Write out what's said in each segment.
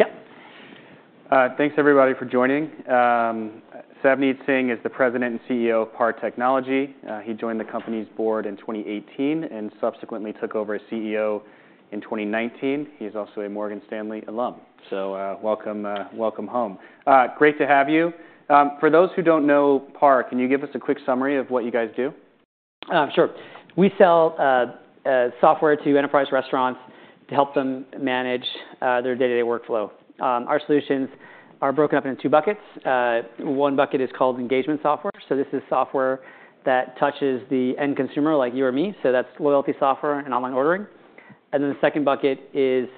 Yeah! Thanks, everybody, for joining. Savneet Singh is the President and CEO of PAR Technology. He joined the company's board in 2018 and subsequently took over as CEO in 2019. He is also a Morgan Stanley alum. So welcome home. Great to have you. For those who don't know PAR, can you give us a quick summary of what you guys do? Sure. We sell software to enterprise restaurants to help them manage their day-to-day workflow. Our solutions are broken up into two buckets. One bucket is called Engagement software. So this is software that touches the end consumer, like you or me. So that's loyalty software and online ordering. And then the second bucket is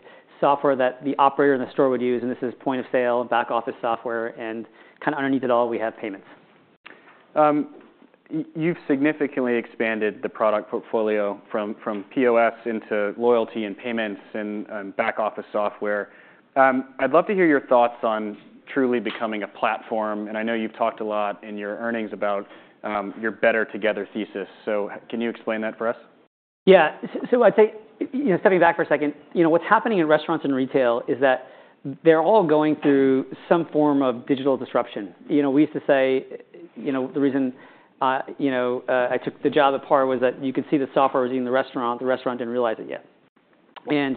software that the operator in the store would use. And this is Point of Sale, back office software. And kind of underneath it all, we have payments. You've significantly expanded the product portfolio from POS into loyalty and payments and back office software. I'd love to hear your thoughts on truly becoming a platform. And I know you've talked a lot in your earnings about your better together thesis. So can you explain that for us? Yeah. So I'd say, stepping back for a second, what's happening in restaurants and retail is that they're all going through some form of digital disruption. We used to say the reason I took the job at PAR was that you could see the software was eating the restaurant. The restaurant didn't realize it yet, and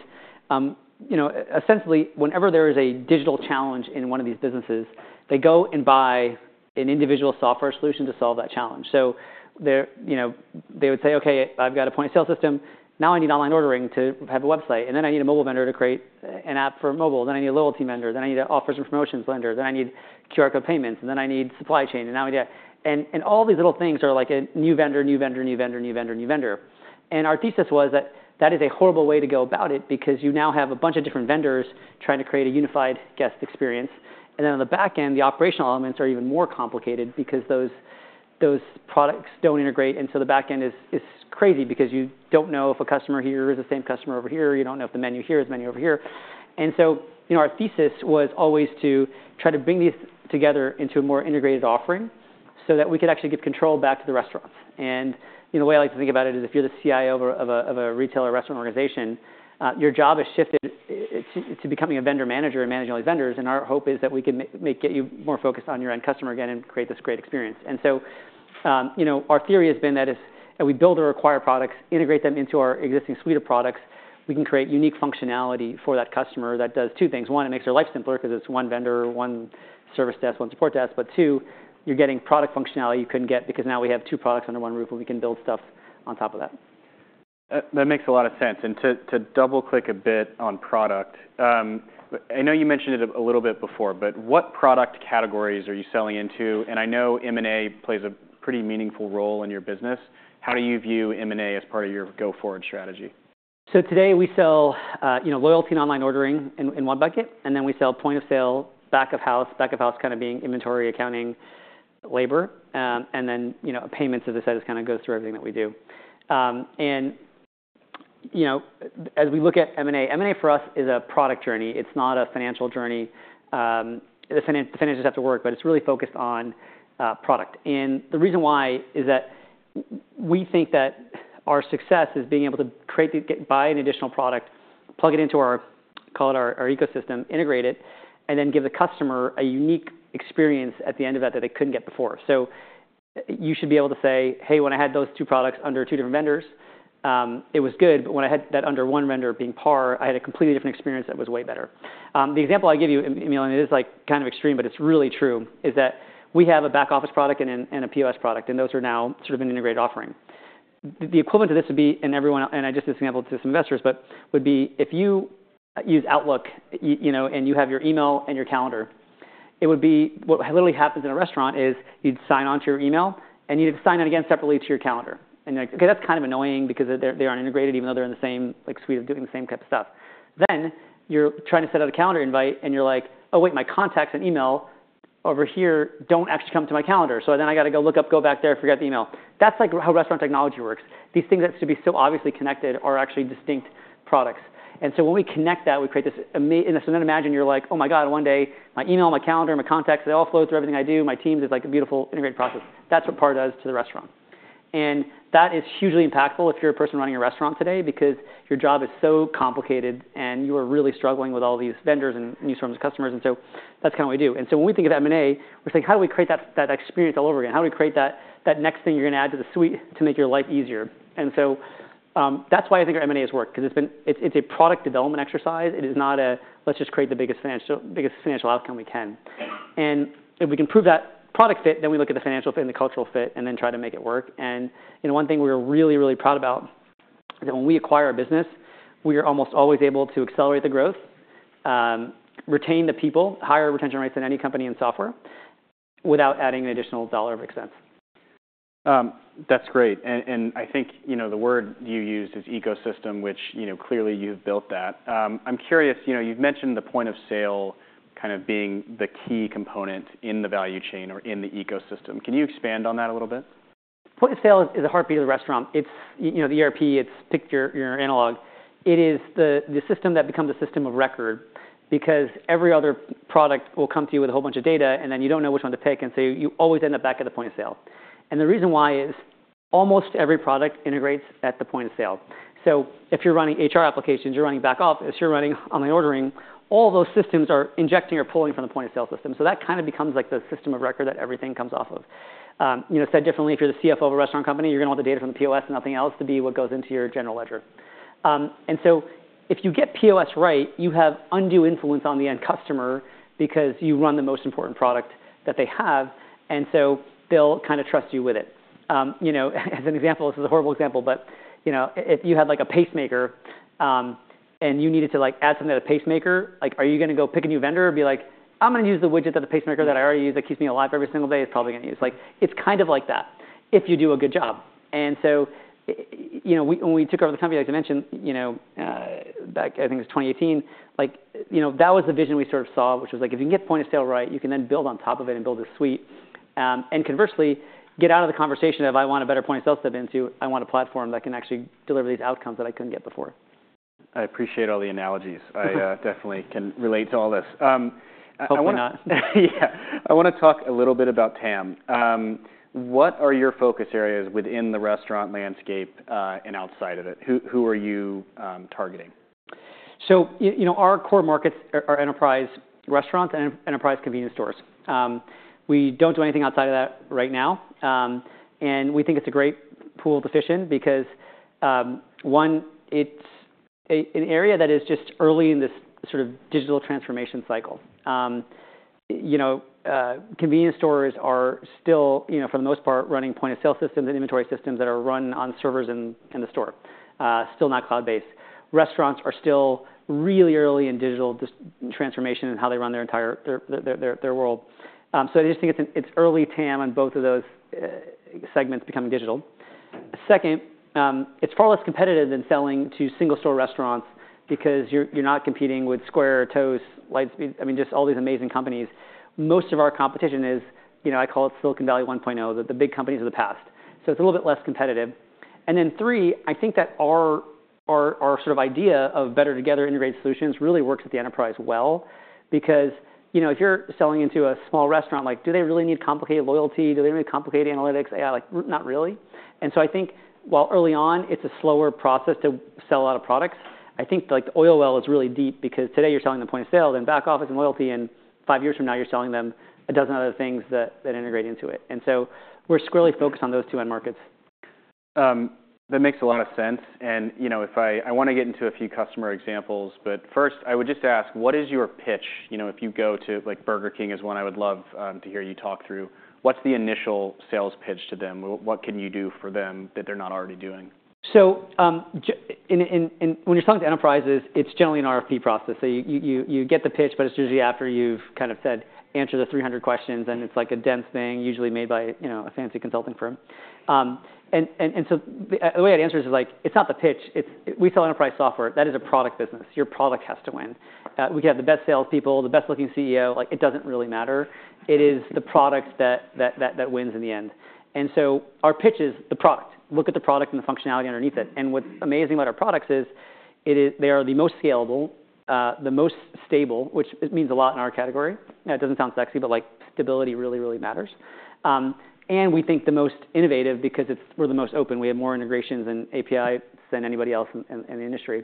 essentially, whenever there is a digital challenge in one of these businesses, they go and buy an individual software solution to solve that challenge. So they would say, OK, I've got a point of sale system. Now I need online ordering to have a website. And then I need a mobile vendor to create an app for mobile. Then I need a loyalty vendor. Then I need an offers and promotions vendor. Then I need QR code payments. And then I need supply chain. And now I need and all these little things are like a new vendor, new vendor, new vendor, new vendor, new vendor. And our thesis was that that is a horrible way to go about it because you now have a bunch of different vendors trying to create a unified guest experience. And then on the back end, the operational elements are even more complicated because those products don't integrate. And so the back end is crazy because you don't know if a customer here is the same customer over here. You don't know if the menu here is the menu over here. And so our thesis was always to try to bring these together into a more integrated offering so that we could actually give control back to the restaurants. And the way I like to think about it is if you're the CIO of a retail or restaurant organization, your job has shifted to becoming a vendor manager and managing all these vendors. And our hope is that we can get you more focused on your end customer again and create this great experience. And so our theory has been that as we build or acquire products, integrate them into our existing suite of products, we can create unique functionality for that customer that does two things. One, it makes their life simpler because it's one vendor, one service desk, one support desk. But two, you're getting product functionality you couldn't get because now we have two products under one roof, and we can build stuff on top of that. That makes a lot of sense, and to double-click a bit on product, I know you mentioned it a little bit before, but what product categories are you selling into? I know M&A plays a pretty meaningful role in your business. How do you view M&A as part of your go-forward strategy? So today, we sell loyalty and online ordering in one bucket. And then we sell Point of Sale, back of house, back of house kind of being inventory, accounting, labor. And then payments, as I said, just kind of go through everything that we do. And as we look at M&A, M&A for us is a product journey. It's not a financial journey. The financials have to work. But it's really focused on product. And the reason why is that we think that our success is being able to buy an additional product, plug it into our ecosystem, integrate it, and then give the customer a unique experience at the end of that that they couldn't get before. So you should be able to say, hey, when I had those two products under two different vendors, it was good. But when I had that under one vendor, being PAR, I had a completely different experience that was way better. The example I give you, Sam, and it is kind of extreme, but it's really true, is that we have a back office product and a POS product. And those are now sort of an integrated offering. The equivalent to this would be, and I just used this example to some investors, would be if you use Outlook and you have your email and your calendar. What literally happens in a restaurant is you'd sign on to your email, and you'd sign on again separately to your calendar. And you're like, OK, that's kind of annoying because they aren't integrated, even though they're in the same suite of doing the same type of stuff. Then you're trying to set up a calendar invite, and you're like, oh, wait, my contacts and email over here don't actually come to my calendar. So then I got to go look up, go back there, forget the email. That's how restaurant technology works. These things that should be so obviously connected are actually distinct products. And so when we connect that, we create this, and then imagine you're like, oh my god, one day, my email, my calendar, my contacts, they all flow through everything I do. My team is like a beautiful integrated process. That's what PAR does to the restaurant. And that is hugely impactful if you're a person running a restaurant today because your job is so complicated, and you are really struggling with all these vendors and new sources of customers. And so that's kind of what we do. When we think of M&A, we're saying, how do we create that experience all over again? How do we create that next thing you're going to add to the suite to make your life easier? That's why I think our M&A has worked because it's a product development exercise. It is not a, let's just create the biggest financial outcome we can. If we can prove that product fit, then we look at the financial fit and the cultural fit and then try to make it work. One thing we're really, really proud about is that when we acquire a business, we are almost always able to accelerate the growth, retain the people, higher retention rates than any company in software without adding an additional dollar of expense. That's great. I think the word you use is ecosystem, which clearly you have built that. I'm curious, you've mentioned the Point of Sale kind of being the key component in the value chain or in the ecosystem. Can you expand on that a little bit? Point of sale is the heartbeat of the restaurant. It's the ERP. It's pick your analogy. It is the system that becomes a system of record because every other product will come to you with a whole bunch of data, and then you don't know which one to pick. And so you always end up back at the point of sale. And the reason why is almost every product integrates at the point of sale. So if you're running HR applications, you're running back office, you're running online ordering, all those systems are injecting or pulling from the point of sale system. So that kind of becomes like the system of record that everything comes off of. Said differently, if you're the CFO of a restaurant company, you're going to want the data from the POS and nothing else to be what goes into your general ledger. And so if you get POS right, you have undue influence on the end customer because you run the most important product that they have. And so they'll kind of trust you with it. As an example, this is a horrible example, but if you had like a pacemaker and you needed to add something to the pacemaker, are you going to go pick a new vendor or be like, I'm going to use the widget that the pacemaker that I already use that keeps me alive every single day is probably going to use? It's kind of like that if you do a good job. And so when we took over the company, like I mentioned, back I think it was 2018, that was the vision we sort of saw, which was like if you can get point of sale right, you can then build on top of it and build a suite. And conversely, get out of the conversation of I want a better point of sale, step into, I want a platform that can actually deliver these outcomes that I couldn't get before. I appreciate all the analogies. I definitely can relate to all this. Yeah. I want to talk a little bit about TAM. What are your focus areas within the restaurant landscape and outside of it? Who are you targeting? Our core markets are enterprise restaurants and enterprise convenience stores. We don't do anything outside of that right now. We think it's a great pool to fish in because, one, it's an area that is just early in this sort of digital transformation cycle. Convenience stores are still, for the most part, running point of sale systems and inventory systems that are run on servers in the store, still not cloud-based. Restaurants are still really early in digital transformation and how they run their world. I just think it's early TAM on both of those segments becoming digital. Second, it's far less competitive than selling to single store restaurants because you're not competing with Square, Toast, Lightspeed, I mean, just all these amazing companies. Most of our competition is, I call it Silicon Valley 1.0, the big companies of the past. So it's a little bit less competitive. And then three, I think that our sort of idea of Better Together integrated solutions really works at the enterprise well because if you're selling into a small restaurant, do they really need complicated loyalty? Do they need complicated analytics? Not really. And so I think while early on, it's a slower process to sell a lot of products, I think the oil well is really deep because today you're selling the point of sale and back office and loyalty. And five years from now, you're selling them a dozen other things that integrate into it. And so we're squarely focused on those two end markets. That makes a lot of sense, and I want to get into a few customer examples, but first, I would just ask, what is your pitch? If you go to Burger King as one, I would love to hear you talk through what's the initial sales pitch to them? What can you do for them that they're not already doing? So when you're selling to enterprises, it's generally an RFP process. So you get the pitch, but it's usually after you've kind of said, answer the 300 questions. And it's like a dense thing, usually made by a fancy consulting firm. And so the way I'd answer this is like, it's not the pitch. We sell enterprise software. That is a product business. Your product has to win. We can have the best salespeople, the best looking CEO. It doesn't really matter. It is the product that wins in the end. And so our pitch is the product. Look at the product and the functionality underneath it. And what's amazing about our products is they are the most scalable, the most stable, which means a lot in our category. It doesn't sound sexy, but stability really, really matters. And we think the most innovative because we're the most open. We have more integrations and APIs than anybody else in the industry,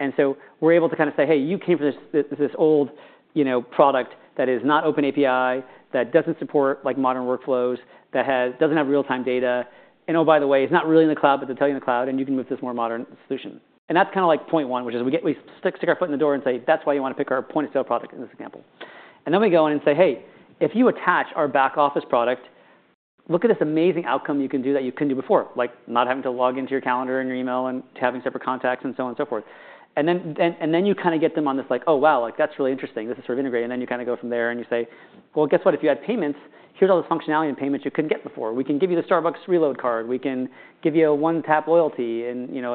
and so we're able to kind of say, hey, you came from this old product that is not open API, that doesn't support modern workflows, that doesn't have real-time data. And oh, by the way, it's not really in the cloud, but they'll tell you in the cloud, and you can move to this more modern solution. And that's kind of like point one, which is we stick our foot in the door and say, that's why you want to pick our point of sale product in this example. And then we go in and say, hey, if you attach our back office product, look at this amazing outcome you can do that you couldn't do before, like not having to log into your calendar and your email and having separate contacts and so on and so forth. And then you kind of get them on this like, oh, wow, that's really interesting. This is sort of integrated. And then you kind of go from there and you say, well, guess what? If you had payments, here's all this functionality in payments you couldn't get before. We can give you the Starbucks reload card. We can give you a one-tap loyalty and enroll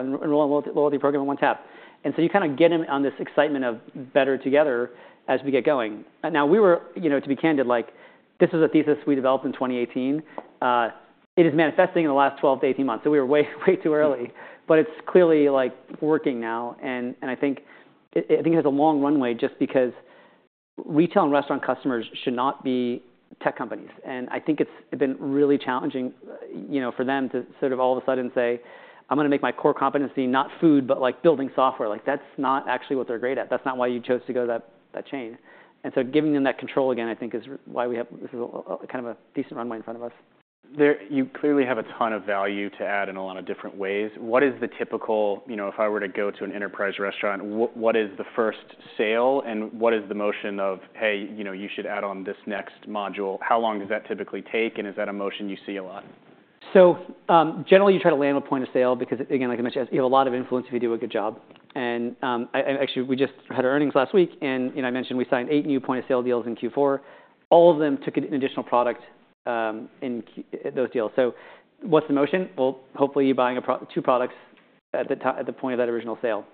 in a loyalty program in one tap. And so you kind of get them on this excitement of Better Together as we get going. Now, to be candid, this is a thesis we developed in 2018. It is manifesting in the last 12 months-18 months. So we were way too early. But it's clearly working now. And I think it has a long runway just because retail and restaurant customers should not be tech companies. And I think it's been really challenging for them to sort of all of a sudden say, I'm going to make my core competency not food, but building software. That's not actually what they're great at. That's not why you chose to go that chain. And so giving them that control again, I think, is why we have this kind of a decent runway in front of us. You clearly have a ton of value to add in a lot of different ways. What is the typical, if I were to go to an enterprise restaurant, what is the first sale? And what is the motion of, hey, you should add on this next module? How long does that typically take? And is that a motion you see a lot? Generally, you try to land with Point of Sale because, again, like I mentioned, you have a lot of influence if you do a good job. Actually, we just had our earnings last week. I mentioned we signed eight new Point of Sale deals in Q4. All of them took an additional product in those deals. What's the motion? Well, hopefully, you're buying two products at the point of that original sale.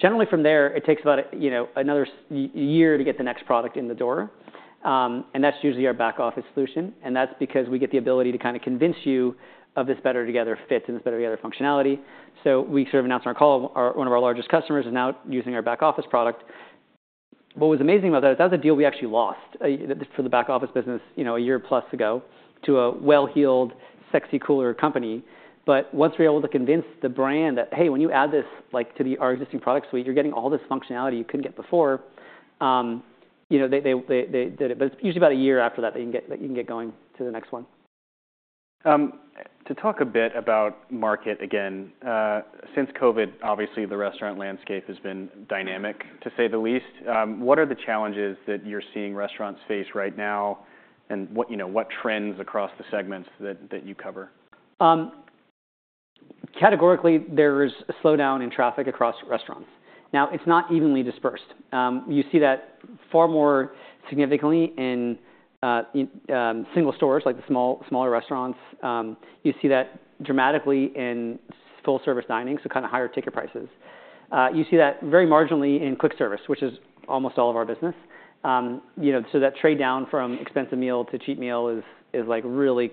Generally, from there, it takes about another year to get the next product in the door. That's usually our back office solution. That's because we get the ability to kind of convince you of this Better Together fit and this Better Together functionality. We sort of announced on our call, one of our largest customers is now using our back office product. What was amazing about that is that was a deal we actually lost for the back office business a year plus ago to a well-heeled, sexy, cooler company. But once we were able to convince the brand that, hey, when you add this to our existing product suite, you're getting all this functionality you couldn't get before, but it's usually about a year after that that you can get going to the next one. To talk a bit about market again, since COVID, obviously, the restaurant landscape has been dynamic, to say the least. What are the challenges that you're seeing restaurants face right now? And what trends across the segments that you cover? Categorically, there is a slowdown in traffic across restaurants. Now, it's not evenly dispersed. You see that far more significantly in single stores, like the smaller restaurants. You see that dramatically in full-service dining, so kind of higher ticket prices. You see that very marginally in quick service, which is almost all of our business. So that trade down from expensive meal to cheap meal is really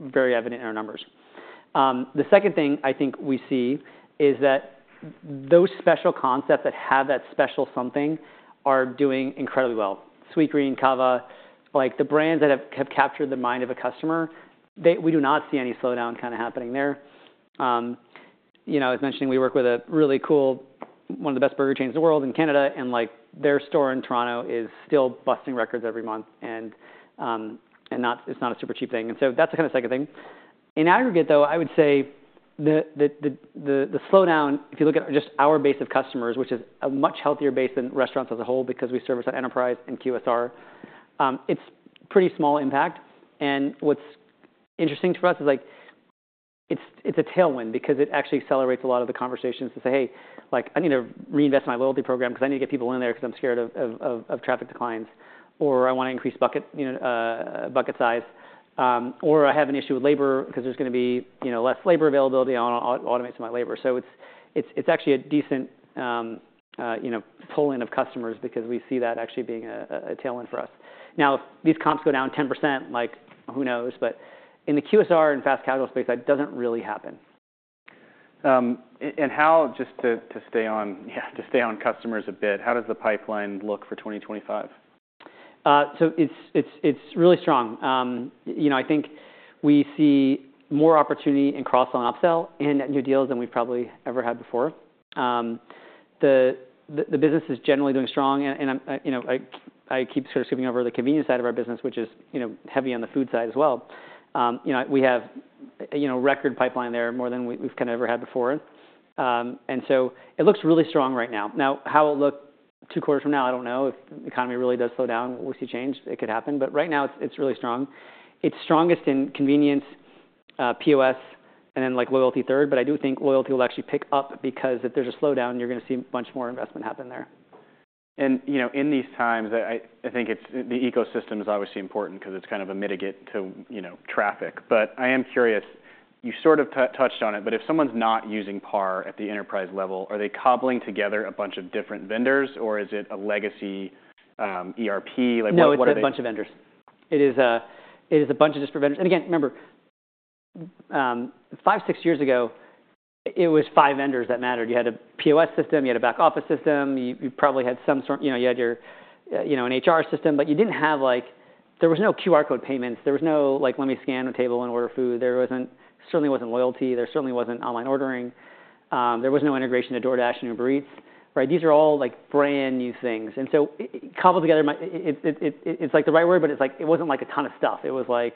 very evident in our numbers. The second thing I think we see is that those special concepts that have that special something are doing incredibly well. Sweetgreen, Cava, the brands that have captured the mind of a customer, we do not see any slowdown kind of happening there. I was mentioning we work with a really cool, one of the best burger chains in the world in Canada. And their store in Toronto is still busting records every month. And it's not a super cheap thing. And so that's the kind of second thing. In aggregate, though, I would say the slowdown, if you look at just our base of customers, which is a much healthier base than restaurants as a whole because we service our enterprise and QSR, it's pretty small impact. And what's interesting to us is it's a tailwind because it actually accelerates a lot of the conversations to say, hey, I need to reinvest in my loyalty program because I need to get people in there because I'm scared of traffic declines. Or I want to increase bucket size. Or I have an issue with labor because there's going to be less labor availability. I want to automate some of my labor. So it's actually a decent pull-in of customers because we see that actually being a tailwind for us. Now, if these comps go down 10%, who knows? But in the QSR and fast casual space, that doesn't really happen. How, just to stay on customers a bit, how does the pipeline look for 2025? It's really strong. I think we see more opportunity in cross-sell and upsell and new deals than we've probably ever had before. The business is generally doing strong. I keep sort of skipping over the convenience side of our business, which is heavy on the food side as well. We have a record pipeline there more than we've kind of ever had before. It looks really strong right now. Now, how it'll look two quarters from now, I don't know. If the economy really does slow down, we'll see change. It could happen. Right now, it's really strong. It's strongest in convenience, POS, and then loyalty third. I do think loyalty will actually pick up because if there's a slowdown, you're going to see a bunch more investment happen there. In these times, I think the ecosystem is obviously important because it's kind of a mitigant to traffic. But I am curious. You sort of touched on it, but if someone's not using PAR at the enterprise level, are they cobbling together a bunch of different vendors? Or is it a legacy ERP? No, it's a bunch of vendors. It is a bunch of disparate vendors. And again, remember, five, six years ago, it was five vendors that mattered. You had a POS system. You had a back office system. You probably had some sort of, you had an HR system. But you didn't have, there was no QR code payments. There was no let me scan a table and order food. There certainly wasn't loyalty. There certainly wasn't online ordering. There was no integration to DoorDash and Uber Eats. These are all brand new things. And so cobbled together, it's like the right word, but it wasn't like a ton of stuff. It was like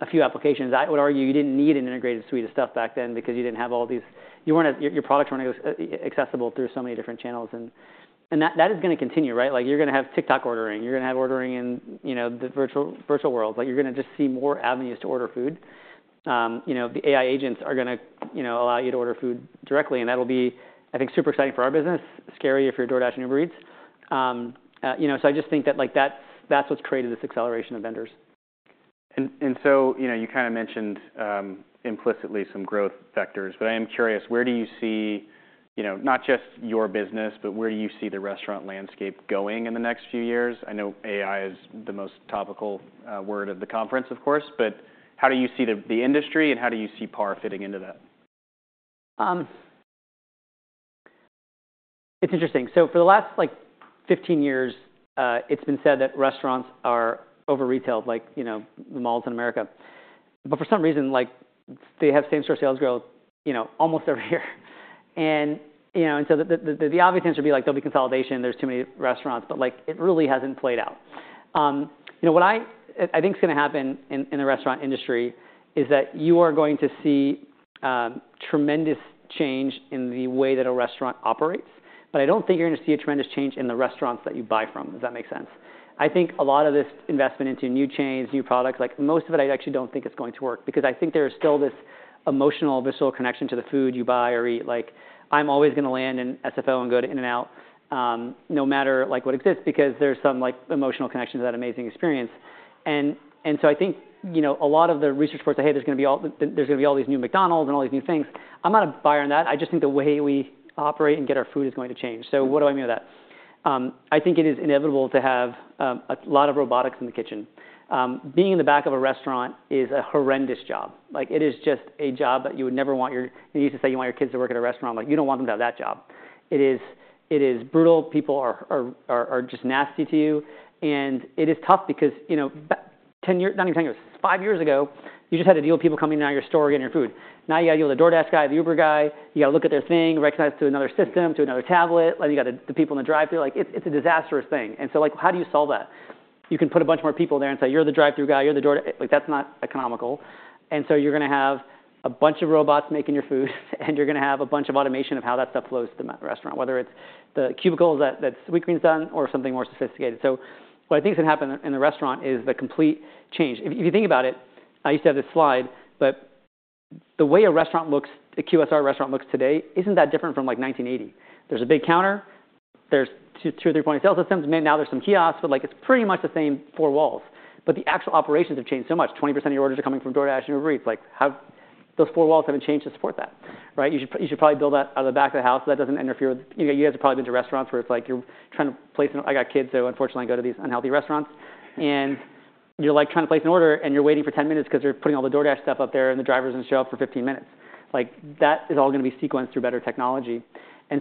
a few applications. I would argue you didn't need an integrated suite of stuff back then because you didn't have all these, your products weren't accessible through so many different channels. And that is going to continue. You're going to have TikTok ordering. You're going to have ordering in the virtual worlds. You're going to just see more avenues to order food. The AI agents are going to allow you to order food directly. And that'll be, I think, super exciting for our business, scary if you're DoorDash and Uber Eats. So I just think that that's what's created this acceleration of vendors. And so you kind of mentioned implicitly some growth factors. But I am curious, where do you see not just your business, but where do you see the restaurant landscape going in the next few years? I know AI is the most topical word of the conference, of course. But how do you see the industry? And how do you see PAR fitting into that? It's interesting. So for the last 15 years, it's been said that restaurants are over-retailed like the malls in America. But for some reason, they have same-store sales growth almost every year. And so the obvious answer would be there'll be consolidation. There's too many restaurants. But it really hasn't played out. What I think is going to happen in the restaurant industry is that you are going to see tremendous change in the way that a restaurant operates. But I don't think you're going to see a tremendous change in the restaurants that you buy from, if that makes sense. I think a lot of this investment into new chains, new products, most of it, I actually don't think is going to work because I think there is still this emotional, visceral connection to the food you buy or eat. I'm always going to land in SFO and go to In-N-Out no matter what exists because there's some emotional connection to that amazing experience, and so I think a lot of the research reports say, hey, there's going to be all these new McDonald's and all these new things. I'm not a buyer in that. I just think the way we operate and get our food is going to change, so what do I mean by that? I think it is inevitable to have a lot of robotics in the kitchen. Being in the back of a restaurant is a horrendous job. It is just a job that you would never want your, you used to say you want your kids to work at a restaurant. You don't want them to have that job. It is brutal. People are just nasty to you. It is tough because not even 10 years, five years ago, you just had to deal with people coming in at your store getting your food. Now you've got to deal with the DoorDash guy, the Uber guy. You've got to look at their thing, recognize it's another system, to another tablet. Then you've got the people in the drive-through. It's a disastrous thing. How do you solve that? You can put a bunch more people there and say, you're the drive-through guy. You're the DoorDash guy. That's not economical. You're going to have a bunch of robots making your food. You're going to have a bunch of automation of how that stuff flows to the restaurant, whether it's the cubicles that Sweetgreen's done or something more sophisticated. What I think is going to happen in the restaurant is the complete change. If you think about it, I used to have this slide, but the way a restaurant looks, a QSR restaurant looks today, isn't that different from 1980. There's a big counter. There's two or three point of sale systems. Now there's some kiosks, but it's pretty much the same four walls. But the actual operations have changed so much. 20% of your orders are coming from DoorDash and Uber Eats. Those four walls haven't changed to support that. You should probably build that out of the back of the house so that doesn't interfere with you guys. Have probably been to restaurants where it's like you're trying to place an order. I've got kids, so unfortunately, I go to these unhealthy restaurants, and you're trying to place an order, and you're waiting for 10 minutes because they're putting all the DoorDash stuff up there. The driver's going to show up for 15 minutes. That is all going to be sequenced through better technology.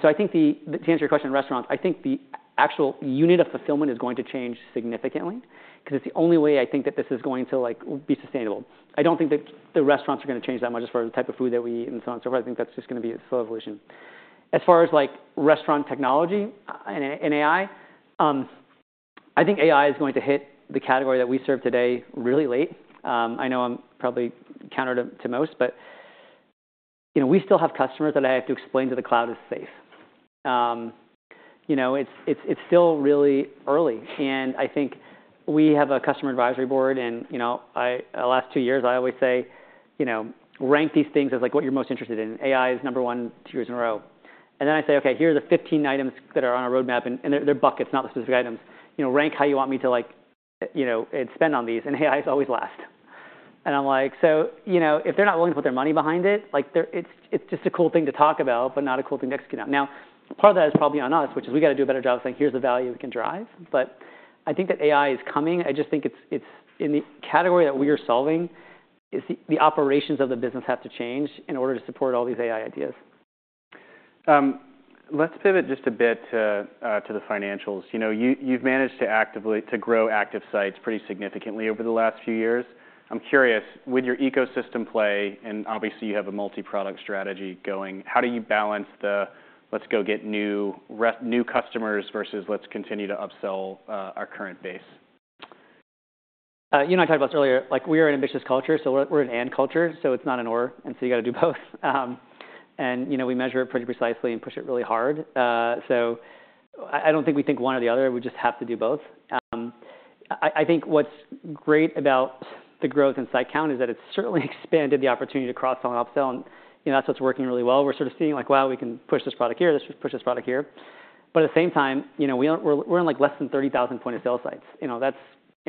So I think to answer your question on restaurants, I think the actual unit of fulfillment is going to change significantly because it's the only way I think that this is going to be sustainable. I don't think that the restaurants are going to change that much as far as the type of food that we eat and so on and so forth. I think that's just going to be a slow evolution. As far as restaurant technology and AI, I think AI is going to hit the category that we serve today really late. I know I'm probably counter to most, but we still have customers that I have to explain to that the cloud is safe. It's still really early. And I think we have a customer advisory board. And the last two years, I always say, rank these things as what you're most interested in. AI is number one two years in a row. And then I say, OK, here are the 15 items that are on our roadmap. And they're buckets, not the specific items. Rank how you want me to spend on these. And AI is always last. And I'm like, so if they're not willing to put their money behind it, it's just a cool thing to talk about, but not a cool thing to execute on. Now, part of that is probably on us, which is we've got to do a better job of saying, here's the value we can drive. But I think that AI is coming. I just think in the category that we are solving, the operations of the business have to change in order to support all these AI ideas. Let's pivot just a bit to the financials. You've managed to grow active sites pretty significantly over the last few years. I'm curious, would your ecosystem play? And obviously, you have a multi-product strategy going. How do you balance the let's go get new customers versus let's continue to upsell our current base? You know I talked about this earlier. We are an ambitious culture, so we're an and culture, so it's not an or, and so you've got to do both, and we measure it pretty precisely and push it really hard. So I don't think we think one or the other. We just have to do both. I think what's great about the growth in site count is that it's certainly expanded the opportunity to cross-sell and upsell, and that's what's working really well. We're sort of seeing like, wow, we can push this product here. Let's push this product here. But at the same time, we're in less than 30,000 point of sale sites. I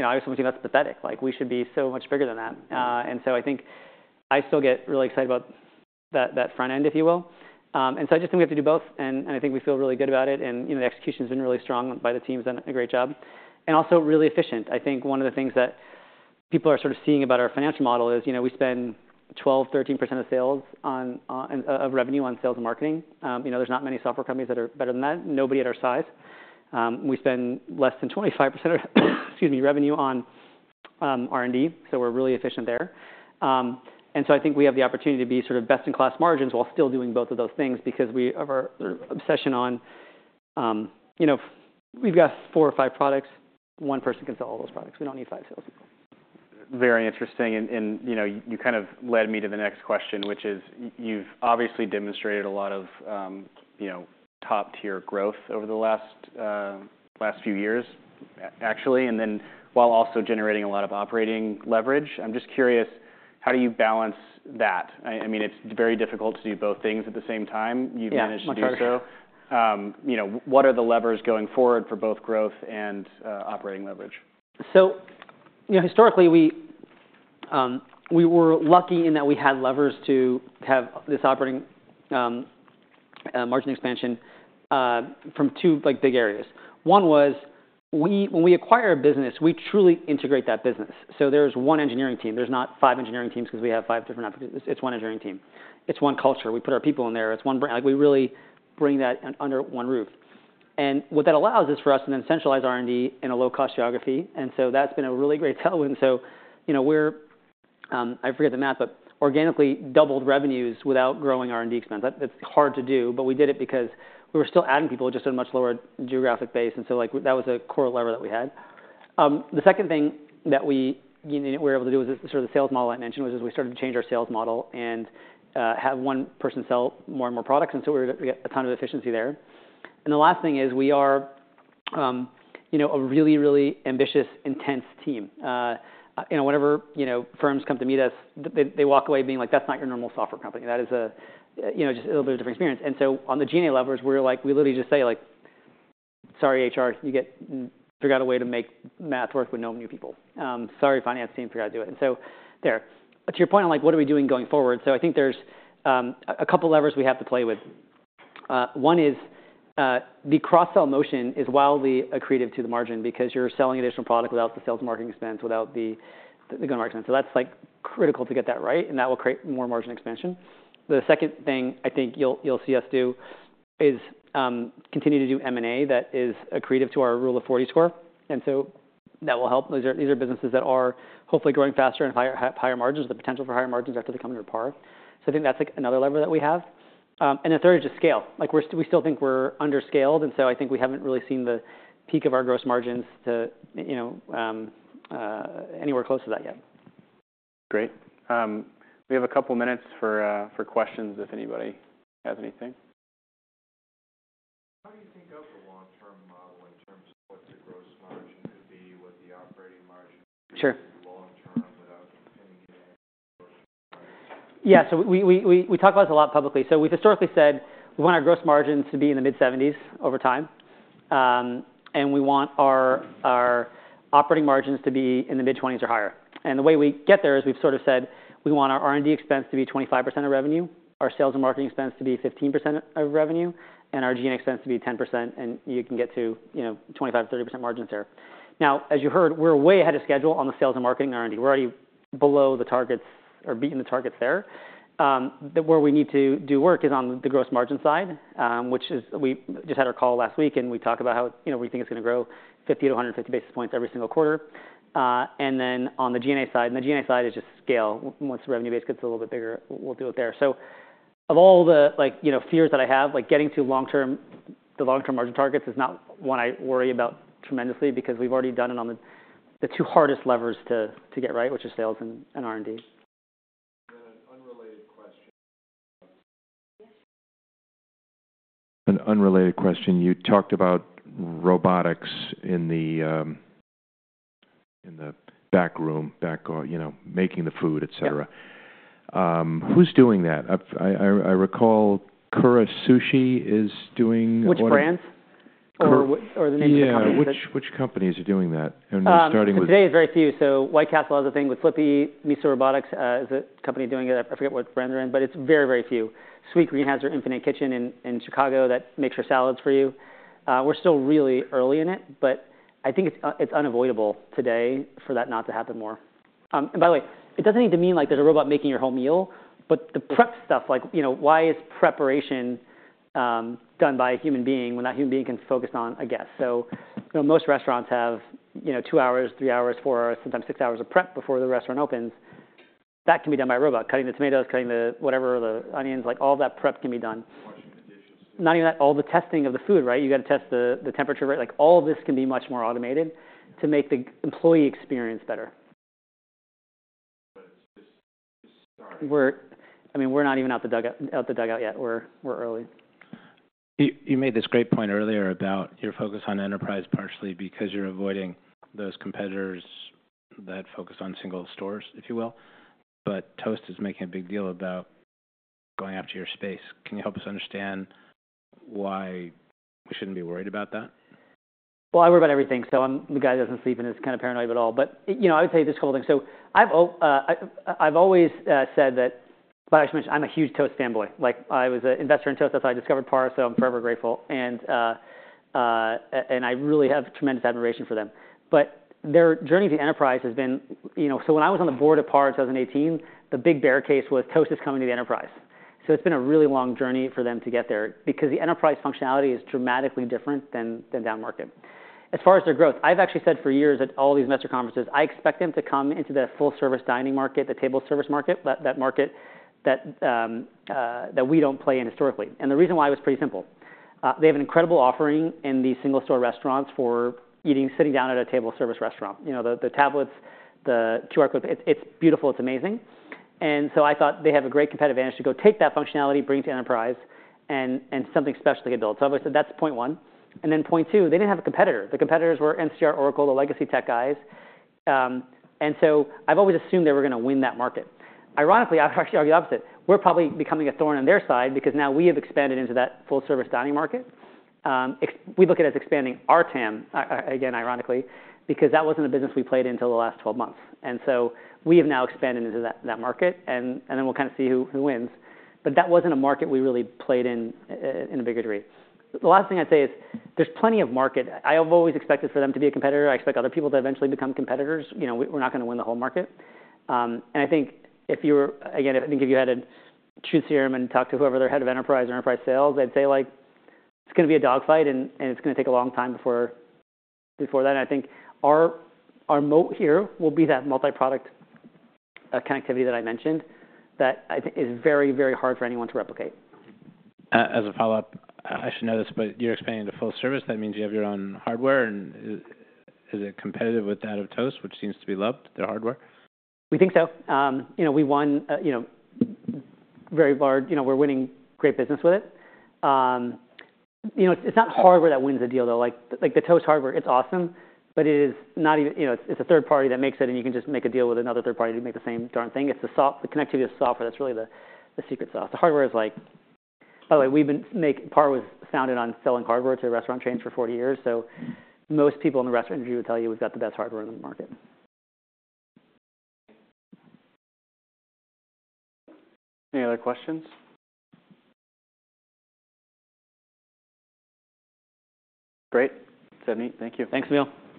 always see that as pathetic. We should be so much bigger than that, and so I think I still get really excited about that front end, if you will. And so I just think we have to do both. And I think we feel really good about it. And the execution has been really strong by the teams, and a great job. And also really efficient. I think one of the things that people are sort of seeing about our financial model is we spend 12%-13% of revenue on sales and marketing. There's not many software companies that are better than that, nobody at our size. We spend less than 25% of revenue on R&D. So we're really efficient there. And so I think we have the opportunity to be sort of best in class margins while still doing both of those things because of our obsession on we've got four or five products. One person can sell all those products. We don't need five salespeople. Very interesting. And you kind of led me to the next question, which is you've obviously demonstrated a lot of top-tier growth over the last few years, actually, while also generating a lot of operating leverage. I'm just curious, how do you balance that? I mean, it's very difficult to do both things at the same time. You've managed to do so. Much harder. What are the levers going forward for both growth and operating leverage? So historically, we were lucky in that we had levers to have this operating margin expansion from two big areas. One was when we acquire a business, we truly integrate that business. So there's one engineering team. There's not five engineering teams because we have five different applications. It's one engineering team. It's one culture. We put our people in there. It's one brand. We really bring that under one roof. And what that allows is for us to then centralize R&D in a low-cost geography. And so that's been a really great sell. And so we're, I forget the math, but organically doubled revenues without growing R&D expense. It's hard to do. But we did it because we were still adding people just at a much lower geographic base. And so that was a core lever that we had. The second thing that we were able to do was sort of the sales model I mentioned was we started to change our sales model and have one person sell more and more products, and so we were able to get a ton of efficiency there, and the last thing is we are a really, really ambitious, intense team. Whenever firms come to meet us, they walk away being like, that's not your normal software company. That is just a little bit of a different experience, and so on the G&A levers, we literally just say, sorry, HR, you figured out a way to make math work with no new people. Sorry, finance team, figured out how to do it, and so there. To your point on what are we doing going forward, so I think there's a couple levers we have to play with. One is the cross-sell motion is wildly accretive to the margin because you're selling additional product without the sales and marketing expense, without the go-to-market expense. So that's critical to get that right. And that will create more margin expansion. The second thing I think you'll see us do is continue to do M&A that is accretive to our Rule of 40 score. And so that will help. These are businesses that are hopefully growing faster and have higher margins, the potential for higher margins after they come to PAR. So I think that's another lever that we have. And the third is just scale. We still think we're underscaled. And so I think we haven't really seen the peak of our gross margins anywhere close to that yet. Great. We have a couple minutes for questions if anybody has anything. How do you think of the long-term model in terms of what the gross margin could be, what the operating margin could be long-term without continuing to add gross margins? Yeah. So we talk about this a lot publicly. So we've historically said we want our gross margins to be in the mid-70s over time. And we want our operating margins to be in the mid-20s or higher. And the way we get there is we've sort of said we want our R&D expense to be 25% of revenue, our sales and marketing expense to be 15% of revenue, and our G&A expense to be 10%. And you can get to 25%-30% margins there. Now, as you heard, we're way ahead of schedule on the sales and marketing R&D. We're already below the targets or beating the targets there. Where we need to do work is on the gross margin side, which is we just had our call last week. And we talked about how we think it's going to grow 50 basis point-150 basis points every single quarter. And then on the G&A side is just scale. Once the revenue base gets a little bit bigger, we'll do it there. So of all the fears that I have, getting to the long-term margin targets is not one I worry about tremendously because we've already done it on the two hardest levers to get right, which are sales and R&D. An unrelated question. An unrelated question. You talked about robotics in the back room, making the food, et cetera. Who's doing that? I recall Kura Sushi is doing that. Which brand? Or the name of the company? Which companies are doing that, and starting with. Today, it's very few. So White Castle has a thing with Flippy. Miso Robotics is a company doing it. I forget what brand they're in. But it's very, very few. Sweetgreen has their Infinite Kitchen in Chicago that makes your salads for you. We're still really early in it. But I think it's unavoidable today for that not to happen more. And by the way, it doesn't need to mean there's a robot making your whole meal. But the prep stuff, why is preparation done by a human being when that human being can focus on a guest? So most restaurants have two hours, three hours, four hours, sometimes six hours of prep before the restaurant opens. That can be done by a robot, cutting the tomatoes, cutting the whatever, the onions. All that prep can be done. Washing the dishes. Not even that. All the testing of the food, right? You've got to test the temperature, right? All of this can be much more automated to make the employee experience better. But it's just starting. I mean, we're not even out the dugout yet. We're early. You made this great point earlier about your focus on enterprise partially because you're avoiding those competitors that focus on single stores, if you will. But Toast is making a big deal about going after your space. Can you help us understand why we shouldn't be worried about that? I worry about everything. So I'm the guy that doesn't sleep and is kind of paranoid about it all. But I would say just a couple things. So I've always said that. Well, I should mention, I'm a huge Toast fanboy. I was an investor in Toast. That's how I discovered PAR. So I'm forever grateful. And I really have tremendous admiration for them. But their journey to enterprise has been, so when I was on the board at PAR in 2018, the big bear case was Toast is coming to the enterprise. So it's been a really long journey for them to get there because the enterprise functionality is dramatically different than down market. As far as their growth, I've actually said for years at all these investor conferences, I expect them to come into the full-service dining market, the table service market, that market that we don't play in historically. And the reason why was pretty simple. They have an incredible offering in the single store restaurants for eating, sitting down at a table service restaurant. The tablets, the QR code, it's beautiful. It's amazing. And so I thought they have a great competitive advantage to go take that functionality, bring it to enterprise, and something special to get built. So I've always said that's point one. And then point two, they didn't have a competitor. The competitors were NCR, Oracle, the legacy tech guys. And so I've always assumed they were going to win that market. Ironically, I've actually argued the opposite. We're probably becoming a thorn on their side because now we have expanded into that full-service dining market. We look at it as expanding our TAM, again, ironically, because that wasn't a business we played in until the last 12 months. And so we have now expanded into that market. And then we'll kind of see who wins. But that wasn't a market we really played in in a bigger degree. The last thing I'd say is there's plenty of market. I've always expected for them to be a competitor. I expect other people to eventually become competitors. We're not going to win the whole market. And I think if you were, again, I think if you had to choose CRM and talk to whoever their head of enterprise or enterprise sales, they'd say it's going to be a dogfight. And it's going to take a long time before that. I think our moat here will be that multi-product connectivity that I mentioned that I think is very, very hard for anyone to replicate. As a follow-up, I should know this, but you're expanding to full service. That means you have your own hardware. And is it competitive with that of Toast, which seems to be loved, their hardware? We think so. We won very large. We're winning great business with it. It's not hardware that wins the deal, though. The Toast hardware, it's awesome. But it is not even. It's a third party that makes it. And you can just make a deal with another third party to make the same darn thing. It's the connectivity of software. That's really the secret sauce. The hardware is like, by the way, PAR was founded on selling hardware to restaurant chains for 40 years. So most people in the restaurant industry would tell you we've got the best hardware in the market. Any other questions? Great. Savneet, thank you. Thanks, Samuel.